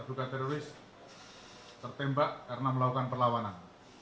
ya ini sedang dalam pendalaman